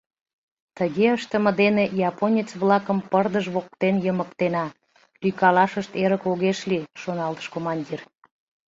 Тыге ыштыме дене японец-влакым пырдыж воктен йымыктена, лӱйкалашышт эрык огеш лий, — шоналтыш командир.